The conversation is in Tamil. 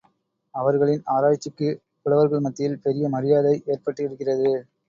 அவர்களின் ஆராய்ச்சிக்குப் புலவர்கள் மத்தியில் பெரிய மரியாதை ஏற்பட்டிருக்கிறது.